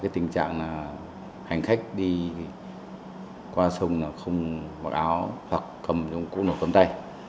tình trạng là hành khách đi qua sông không mặc áo hoặc cầm những cụ nộp cầm tay